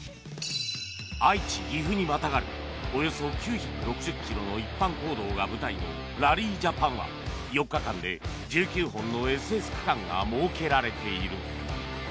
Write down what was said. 愛知、岐阜にまたがるおよそ９６０ｋｍの一般公道が舞台のラリージャパンは４日間で１９本のＳＳ区間が設けられている。